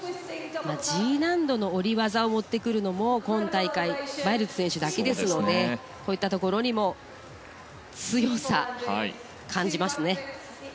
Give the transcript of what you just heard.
Ｇ難度の下り技を持ってくるのも今大会バイルズ選手だけですのでこういったところにも強さを感じますね。